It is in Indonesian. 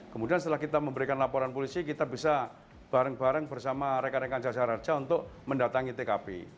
kemudian setelah kita memberikan laporan polisi kita bisa bareng bareng bersama rekan rekan jasa raja untuk mendatangi tkp